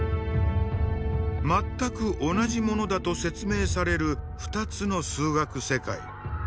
全く同じものだと説明される２つの数学世界。